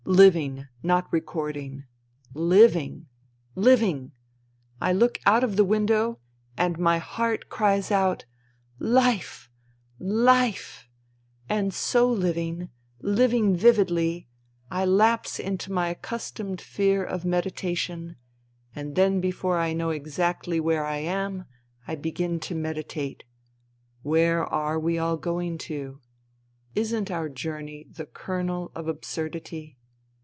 Living, not recording. Living I Living ! I look out of the window, and my heart cries out : Life ! Life ! and so living, living vividly, I lapse into my accustomed sphere of meditation, and then before I know exactly where I am I begin to meditate : Where are we all going to ? Isn't our journey the kernel of absurdity